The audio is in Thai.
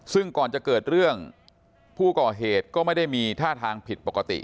ซึ่งก่อนจะเกิดเรื่องผู้ก่อเหตุก็ไม่ได้มีท่าทางผิดปกติ